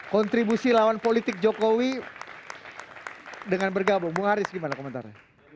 kontribusi lawan politik jokowi dengan bergabung bung haris gimana komentarnya